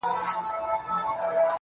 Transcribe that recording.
ته يو وجود د لمر و سيوري ته سوغات ولېږه~